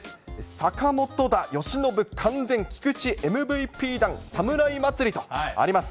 坂本打、由伸、完全、菊池ＭＶＰ弾侍祭りとあります。